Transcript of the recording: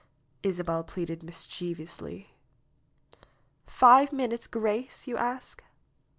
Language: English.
Isabel pleaded mischievously. "Five minutes' grace, you ask?"